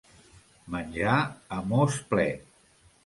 Menjar a mos ple.